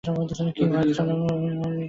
কী ভারী চলন মতির, কী রমণীয় তার ভঙ্গিমা।